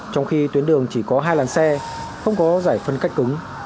trong khi tuyến đường chỉ có hai làn xe không có giải phân cách cứng